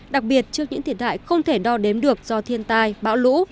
đặc biệt trước những thiệt hại không thể đo đếm được do thiên tai bão lũ